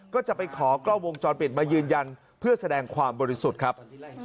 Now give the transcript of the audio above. ก็จะไปขอกล้องวงจรปิดมายืนยันเพื่อแสดงความบริสุทธิ์ครับ